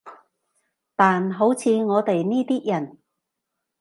但好似我哋呢啲人